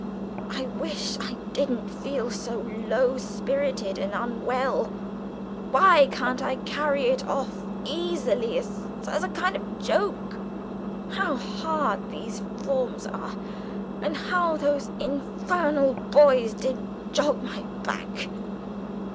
I wish I didn't feel so low spirited and unwell. Why can't I carry it off easily as as a kind of joke? How hard these forms are, and how those infernal boys did jog my back!"